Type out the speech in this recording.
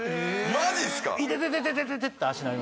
マジっすか？